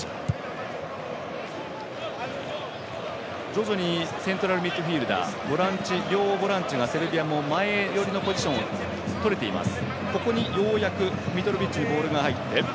徐々にセントラルミッドフィールダー両ボランチがセルビアも前よりのポジションを取れています。